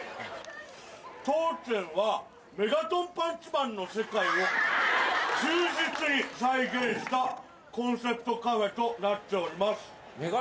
当店はメガトンパンチマンの世界を忠実に再現したコンセプトカフェとなっております。